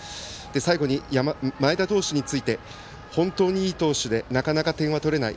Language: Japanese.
最後に前田投手について本当にいい投手でなかなか点が取れない。